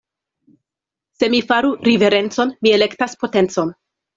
Se mi faru riverencon, mi elektas potencon.